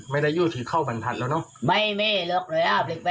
ไม่ได้ยู่ถือเข้าบรรทัศน์แล้วเนอะ